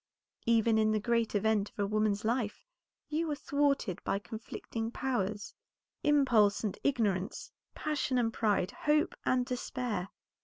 Even in the great event of a woman's life, you were thwarted by conflicting powers; impulse and ignorance, passion and pride, hope and despair.